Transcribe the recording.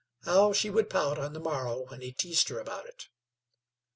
How she would pout on the morrow when he teased her about it!